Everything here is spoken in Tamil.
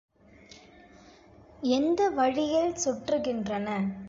எந்த வழியில் சுற்றுகின்றன?